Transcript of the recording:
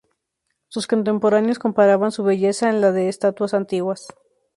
Sus contemporáneos comparaban su belleza a la de las estatuas antiguas.